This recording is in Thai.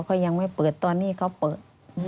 เขายังไม่เปิดตอนนี้เขาเปิด